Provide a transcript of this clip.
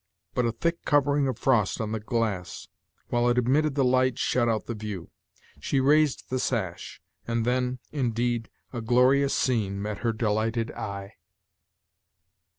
But a thick covering of frost on the glass, while it admitted the light, shut out the view. She raised the sash, and then, indeed, a glorious scene met her delighted eye.